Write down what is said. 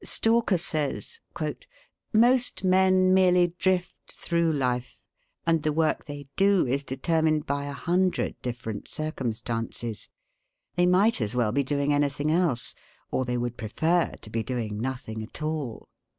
Stalker says: "Most men merely drift through life, and the work they do is determined by a hundred different circumstances; they might as well be doing anything else, or they would prefer to be doing nothing at all."